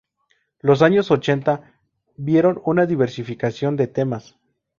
Los años ochenta vieron una diversificación de temas.